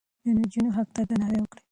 د نجونو حق ته درناوی وکړه.